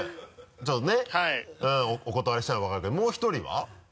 ちょっとねうんお断りしたの分かるけどもう１人は？